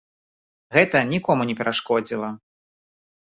Гэта нікому не перашкодзіла.